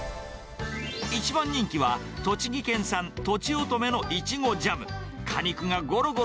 一番人気は、栃木県産とちおとめのいちごジャム。